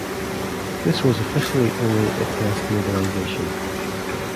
This was officially only a "test mobilisation".